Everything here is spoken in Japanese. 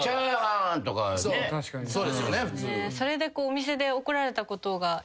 それで。